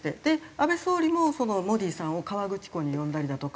安倍総理もモディさんを河口湖に呼んだりだとか。